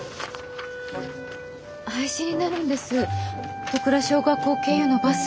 廃止になるんです戸倉小学校経由のバス。